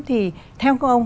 thì theo các ông